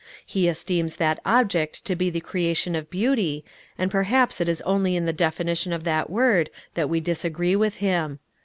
He esteems that object to be the creation of Beauty, and perhaps it is only in the definition of that word that we disagree with him.